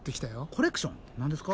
コレクション何ですか？